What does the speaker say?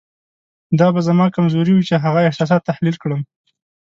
دا به زما کمزوري وي چې هغه احساسات تحلیل کړم.